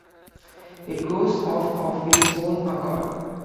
It goes off of its own accord.